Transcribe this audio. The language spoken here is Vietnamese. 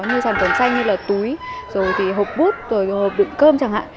như sản phẩm xanh như là túi rồi thì hộp bút rồi hộp đựng cơm chẳng hạn